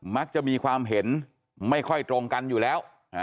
มักจะมีความเห็นไม่ค่อยตรงกันอยู่แล้ว